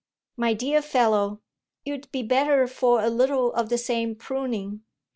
"My dear fellow, you'd be better for a little of the same pruning!"